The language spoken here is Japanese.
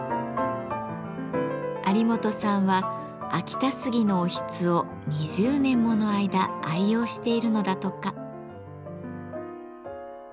有元さんは秋田杉のおひつを２０年もの間愛用しているのだとか。